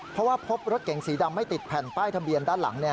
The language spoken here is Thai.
เพราะว่าพบรถเก๋งสีดำไม่ติดแผ่นป้ายทะเบียนด้านหลัง